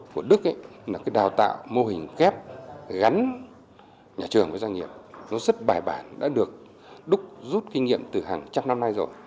của đức đào tạo mô hình kép gắn nhà trường với doanh nghiệp rất bài bản đã được đúc rút kinh nghiệm từ hàng trăm năm nay rồi